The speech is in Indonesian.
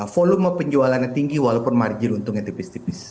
volume penjualannya tinggi walaupun margin untungnya tipis tipis